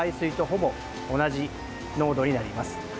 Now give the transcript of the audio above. ほぼ同じ濃度になります。